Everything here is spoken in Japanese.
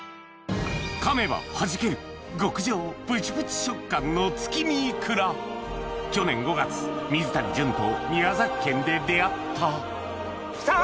かめばはじける極上プチプチ食感のつきみいくら去年５月水谷隼と宮崎県で出合ったきた！